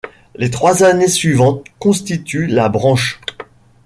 Les trois années suivantes constituent la branche.